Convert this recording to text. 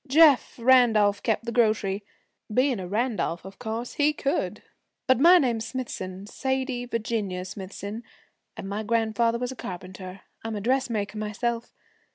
Jeff Randolph kept the grocery. Being a Randolph, of course he could. But my name's Smithson Sadie Virginia Smithson and my grandfather was a carpenter. I'm a dressmaker myself.